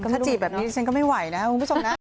ถ้าจีบแบบนี้ฉันก็ไม่ไหวนะครับคุณผู้ชมนะ